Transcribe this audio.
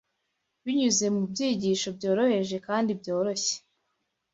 Binyuze mu byigisho byoroheje kandi byoroshye